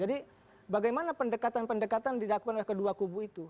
jadi bagaimana pendekatan pendekatan didakukan oleh kedua kubu itu